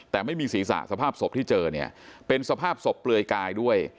แต่ไม่มีศีรษะสภาพศพที่เจอเนี่ยเป็นสภาพศพเปลือยกายด้วย